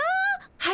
はい。